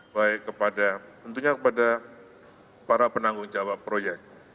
baik kepada tentunya kepada para penanggung jawab proyek